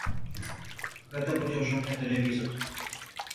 Гэта будзе ўжо не тэлевізар.